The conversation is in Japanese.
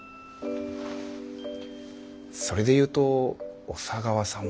それで言うと小佐川さんも。